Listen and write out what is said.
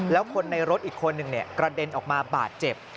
แล้วคนในรถอีกคนหนึ่งกระเด็นออกมาบาดเจ็บ